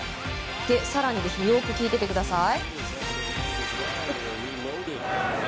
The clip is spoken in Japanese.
更に、よく聞いていてください。